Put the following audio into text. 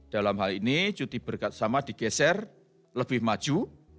dalam hal ini cuti bersama digeser lebih maju